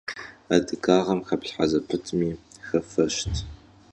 Adıgağem xeplhhe zepıtmi xefeşt.